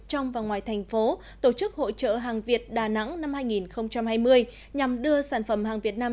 trong và ngoài thành phố tổ chức hội trợ hàng việt đà nẵng năm hai nghìn hai mươi nhằm đưa sản phẩm hàng việt nam